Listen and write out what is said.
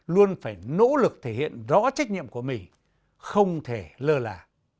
luôn phải nỗ lực thể hiện rõ trách nhiệm của mình không thể lơ là